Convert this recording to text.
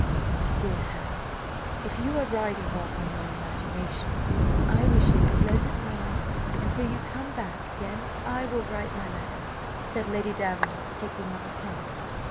"Now, my dear Helen, if you are riding off on your imagination, I wish you a pleasant ride, and till you come back again I will write my letter," said Lady Davenant, taking up a pen.